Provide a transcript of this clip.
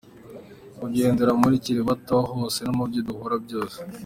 – Kugendera mu kuri aho turi hose no mubyo dukora byose;